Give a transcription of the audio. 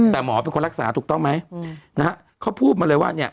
แต่หมอเป็นคนรักษาถูกต้องไหมนะฮะเขาพูดมาเลยว่าเนี่ย